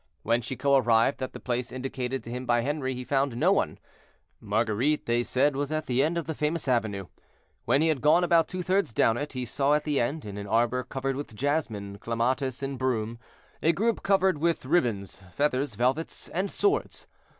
When Chicot arrived at the place indicated to him by Henri, he found no one; Marguerite, they said, was at the end of the famous avenue. When he had gone about two thirds down it, he saw at the end, in an arbor covered with jasmine, clematis, and broom, a group covered with ribbons, feathers, velvets, and swords.